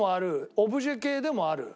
オブジェ系でもある。